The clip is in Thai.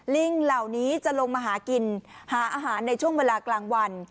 ลิงเหล่านี้จะลงมาหากินหาอาหารในช่วงเวลากลางวัน